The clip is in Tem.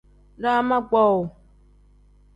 Daama kpowuu.